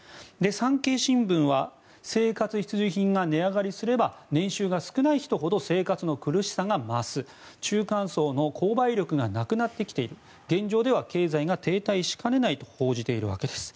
産経新聞は生活必需品が値上がりすれば年収が少ない人ほど生活の苦しさが増す中間層の購買力がなくなってきている現状では経済が停滞しかねないと報じているわけです。